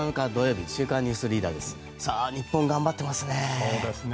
日本頑張ってますね。